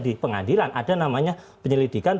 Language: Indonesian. di pengadilan ada namanya penyelidikan